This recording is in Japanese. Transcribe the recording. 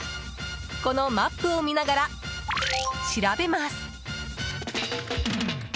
このマップを見ながら調べます。